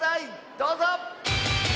どうぞ！